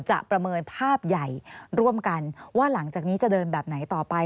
ประเมินภาพใหญ่ร่วมกันว่าหลังจากนี้จะเดินแบบไหนต่อไป